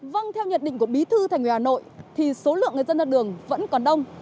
vâng theo nhận định của bí thư thành ủy hà nội thì số lượng người dân ra đường vẫn còn đông